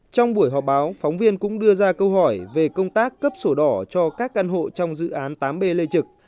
trong buổi họp báo phóng viên cũng đưa ra câu hỏi về công tác cấp sổ đỏ cho các căn hộ trong dự án tám b lê trực